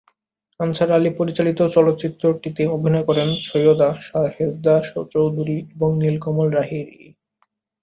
Answer Ali পরিচালিত চলচ্চিত্রটিতে অভিনয় করেন সৈয়দা সাজেদা চৌধুরী এবং নীলকমল লাহিড়ী।